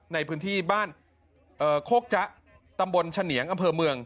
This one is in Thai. ในพื้นที่บ้านโคกจ๊ะตำบลเฉนียงอำเภอเมือง